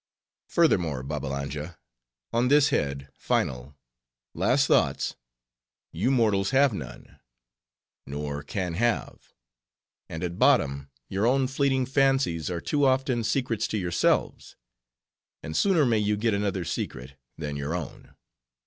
Furthermore, Babbalanja, on this head, final, last thoughts you mortals have none; nor can have; and, at bottom, your own fleeting fancies are too often secrets to yourselves; and sooner may you get another's secret, than your own.